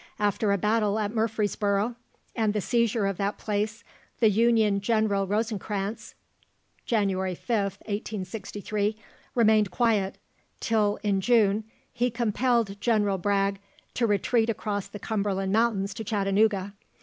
After a battle at Murfreesboro', and the seizure of that place, the Union General Rosencranz (January 5th, 1863) remained quiet, till, in June, he compelled General Bragg to retreat across the Cumberland Mountains to Chattanooga.